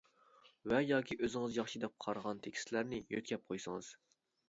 ۋە ياكى ئۆزىڭىز ياخشى دەپ قارىغان تېكىستلەرنى يۆتكەپ قويسىڭىز.